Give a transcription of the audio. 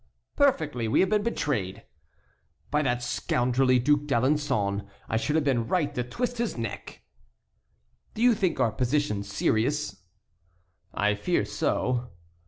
"Perfectly; we have been betrayed." "By that scoundrelly Duc d'Alençon. I should have been right to twist his neck." "Do you think our position serious?" "I fear so."